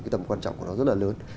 tầm quan trọng của nó rất là lớn